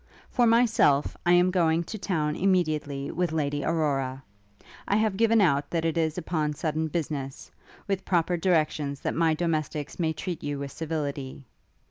For myself, I am going to town immediately with Lady Aurora. I have given out that it is upon sudden business, with proper directions that my domestics may treat you with civility.